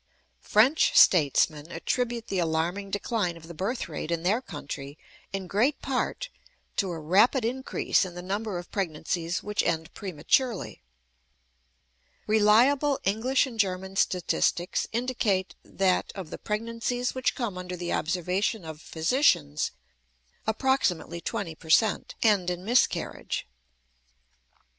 French statesmen attribute the alarming decline of the birth rate in their country, in great part, to a rapid increase in the number of pregnancies which end prematurely. Reliable English and German statistics indicate that of the pregnancies which come under the observation of physicians approximately twenty per cent, end in miscarriage.